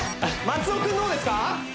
松尾君どうですか？